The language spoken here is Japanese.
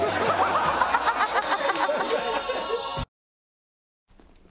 ハハハハ！